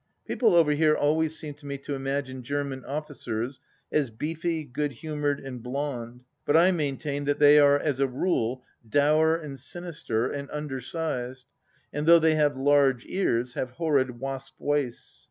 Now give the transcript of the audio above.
People over here always seem to me to imagine German officers as beefy, good humoured, and blonde, but I main tain that they are as a rule dour and sinister, and undersized ; and though they have large ears, have horrid wasp waists.